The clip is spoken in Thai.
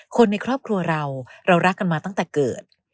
คนในครอบครัวเราเรารักกันมาตั้งแต่เกิด